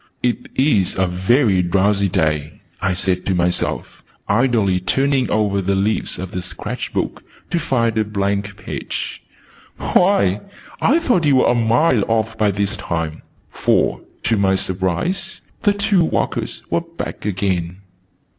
"It is a very drowsy day," I said to myself, idly turning over the leaves of the sketch book to find a blank page. "Why, I thought you were a mile off by this time!" For, to my surprise, the two walkers were back again.